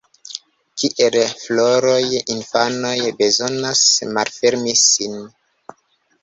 Kiel floroj, infanoj bezonas ‘malfermi’ sin.